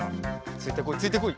ついてこいついてこい。